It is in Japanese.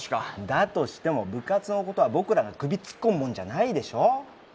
だとしても部活のことは僕らが首突っ込むもんじゃないでしょ。